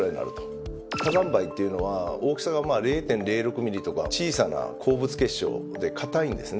火山灰っていうのは大きさが０．０６ミリとか小さな鉱物結晶で硬いんですね。